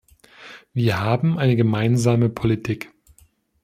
Wir haben eine gemeinsame Politik.